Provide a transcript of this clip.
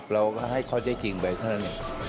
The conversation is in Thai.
เราก็ให้เข้าใจจริงแบบนั้น